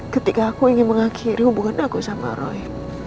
ketika aku ingin mengakhiri hubungan aku sama roy